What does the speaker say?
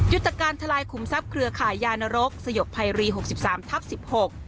ยุตรการทลายคุมทรัพย์เครือขายยานรกสยกภายรี๖๓ทับ๑๖